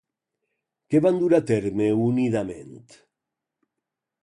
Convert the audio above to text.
Què van dur a terme unidament?